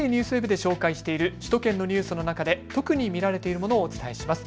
ＮＨＫＮＥＷＳＷＥＢで紹介している首都圏のニュースの中で、特に見られているものをお伝えします。